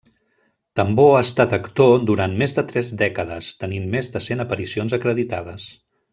Tambor ha estat actor durant més de tres dècades, tenint més de cent aparicions acreditades.